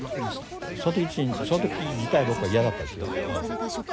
その時自体僕は嫌だったですよ。